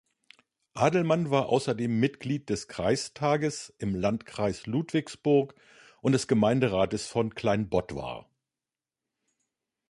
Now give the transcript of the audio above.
Adelmann war außerdem Mitglied des Kreistages im Landkreis Ludwigsburg und des Gemeinderates von Kleinbottwar.